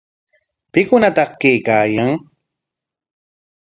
¿Pikunataq kaykaayan?